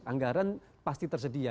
anggaran pasti tersedia